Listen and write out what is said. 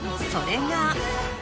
それが。